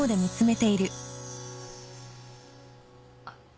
あっ。